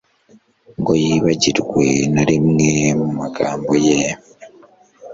ngo yibagirwe na rimwe mu magambo ye